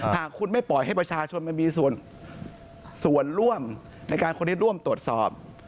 หากคุณไม่ปล่อยให้ประชาชนมันมีส่วนร่วมในการคนที่ร่วมตรวจสอบ